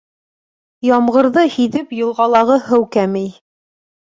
Ямғырҙы «һиҙеп» йылғалағы һыу кәмей.